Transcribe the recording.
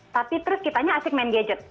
tapi terus kitanya asik main gadget